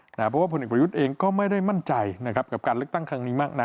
เพราะว่าผลเอกประยุทธ์เองก็ไม่ได้มั่นใจนะครับกับการเลือกตั้งครั้งนี้มากนัก